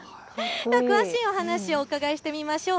詳しいお話をお伺いしてみましょう。